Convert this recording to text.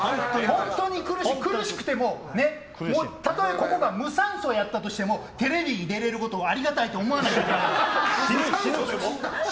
本当に苦しくても、たとえここが無酸素やったとしてもテレビに出れることをありがたいと思わないと。